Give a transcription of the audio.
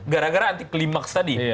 gara gara anti klimaks tadi